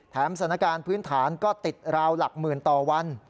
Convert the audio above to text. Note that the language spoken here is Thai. สถานการณ์พื้นฐานก็ติดราวหลักหมื่นต่อวัน